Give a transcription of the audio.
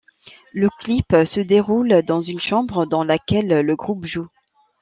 Le clip se déroule dans une chambre dans laquelle le groupe joue.